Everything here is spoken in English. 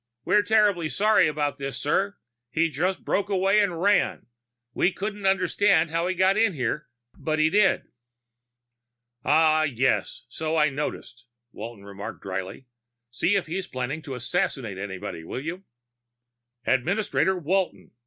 "We're terribly sorry about this, sir. He just broke away and ran. We can't understand how he got in here, but he did." "Ah yes. So I noticed," Walton remarked drily. "See if he's planning to assassinate anybody, will you?" "Administrator Walton!"